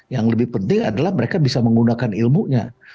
yang lebih penting adalah mereka bisa menggunakan ilmunya